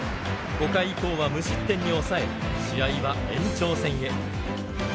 ５回以降は無失点に抑え試合は延長戦へ。